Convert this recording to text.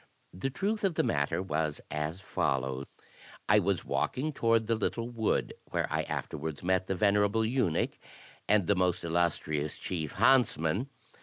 The truth of the matter was as follows: I was walking toward the little wood, where I afterwards met the ven erable eunuch, and the most illustrious chief himtsmah.